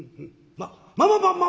ままままま！